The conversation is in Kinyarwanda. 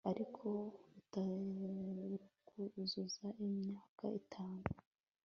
ariko utaruzuza imyaka itanu